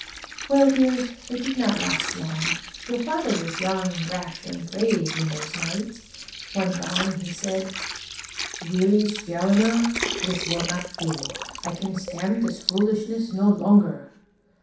"Well, dears, it did not last long. Your father was young, rash, and brave, in those nights. One dawn he said, ' Really, Scalena, this will not do. I can stand this foolishness no longer